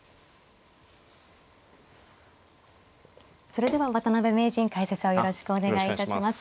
それでは渡辺名人解説をよろしくお願いいたします。